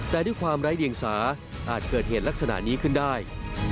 แต่ด้วยความไร้เดียงสาอาจเกิดเหตุลักษณะนี้ขึ้นได้